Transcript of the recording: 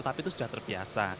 tapi itu sudah terbiasa